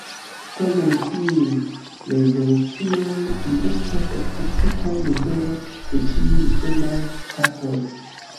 Tamen tiuj rezolucioj ne estas akceptita nivele de ĉiuj usonaj ŝtatoj.